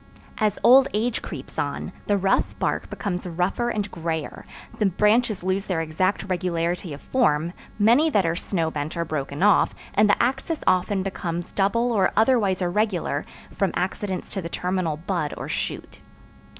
As old age creeps on, the rough bark becomes rougher and grayer, the branches lose their exact regularity of form, many that are snow bent are broken off and the axis often becomes double or otherwise irregular from accidents to the terminal bud or shoot.